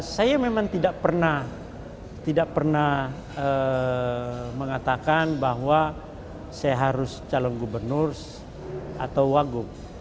saya memang tidak pernah mengatakan bahwa saya harus calon gubernur atau wagub